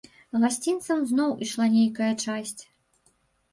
Гасцінцам зноў ішла нейкая часць.